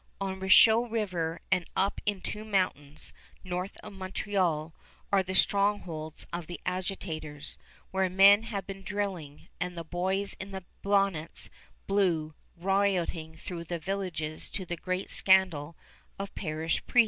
On Richelieu River and up in Two Mountains, north of Montreal, are the strongholds of the agitators, where men have been drilling, and the boys in the bonnets blue rioting through the villages to the great scandal of parish priests.